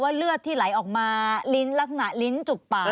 เลือดที่ไหลออกมาลิ้นลักษณะลิ้นจุกปาก